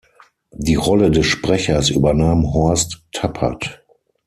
Die Rolle des Sprechers übernahm Horst Tappert.